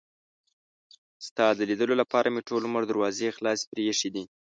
ستا د لیدلو لپاره مې ټول عمر دروازې خلاصې پرې ایښي دي.